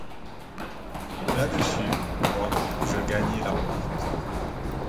Là-dessus, moi, je gagnai la porte.